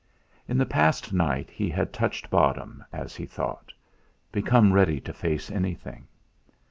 In the past night he had touched bottom, as he thought: become ready to face anything.